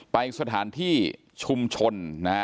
ไปสถานที่ชุมชน๑